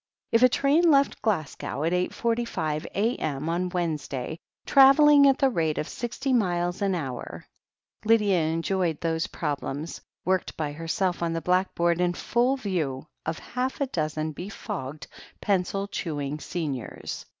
'If a train left Glasgow at 8.45 a.m. on Wednes day, travelling at the rate of 60 miles an hour *" Lydia enjoyed those problems, worked by herself on the black board in full view of half a dozen befogged, pencil chewing seniors.